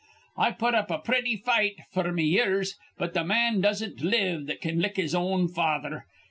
I put up a pretty fight, f'r me years; but th' man doesn't live that can lick his own father.